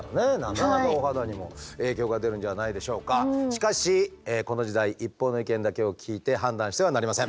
しかしこの時代一方の意見だけを聞いて判断してはなりません。